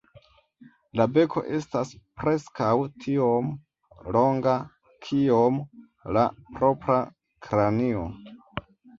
La beko estas preskaŭ tiom longa kiom la propra kranio.